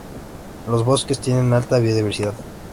Los bosques tienen alta biodiversidad.